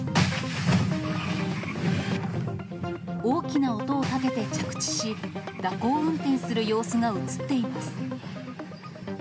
大きな音を立てて着地し、蛇行運転する様子が写っています。